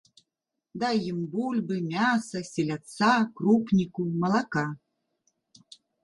Дай ім бульбы, мяса, селядца, крупніку, малака.